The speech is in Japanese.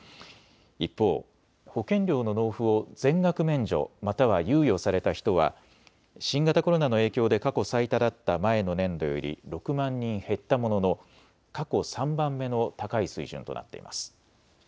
一方、保険料の納付を全額免除、または猶予された人は新型コロナの影響で過去最多だった前の年度より６万人減ったものの過去３番目の高い水準となっています。